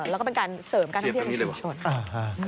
แล้วก็เป็นการเสริมการท่องเที่ยวในชุมชน